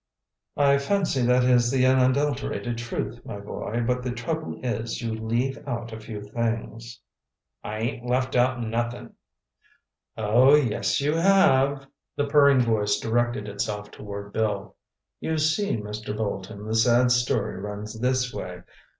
"I fancy that is the unadulterated truth, my boy, but the trouble is, you leave out a few things." "I ain't left out nothin'—" "Oh, yes, you have!" The purring voice directed itself toward Bill. "You see, Mr. Bolton, the sad story runs this way.